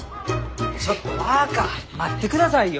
ちょっと若待ってくださいよ！